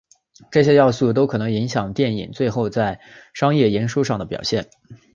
这些要素都可能影响电影最后在商业营收上的表现。